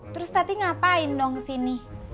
terus tati ngapain dong kesini